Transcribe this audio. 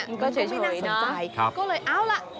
มันก็เลยไม่น่าสนใจก็เลยเอาล่ะ